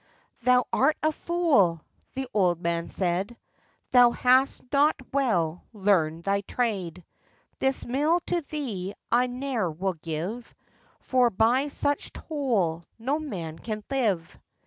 'Thou art a fool!' the old man said, 'Thou hast not well learned thy trade; This mill to thee I ne'er will give, For by such toll no man can live.